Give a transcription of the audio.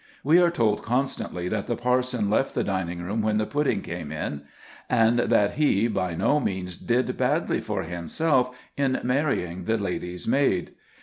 We are told constantly that the parson left the dining room when the pudding came in, and that he by no means did badly for himself in marrying the lady's maid.